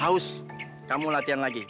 haus kamu latihan lagi